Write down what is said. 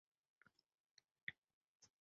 黄猄草为爵床科马蓝属的植物。